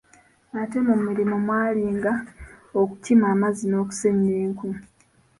Ate mu mulimu mwalinga okukima amazzi n’okusennya enku.